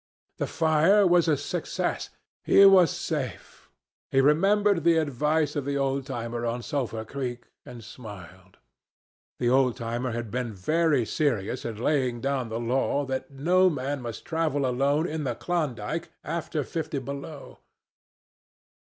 The fire was a success. He was safe. He remembered the advice of the old timer on Sulphur Creek, and smiled. The old timer had been very serious in laying down the law that no man must travel alone in the Klondike after fifty below.